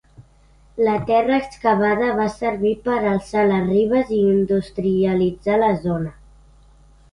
La terra excavada va servir per a alçar les ribes i industrialitzar la zona.